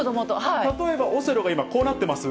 例えばオセロが今、こうなってます。